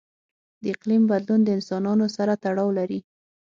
د اقلیم بدلون له انسانانو سره تړاو لري.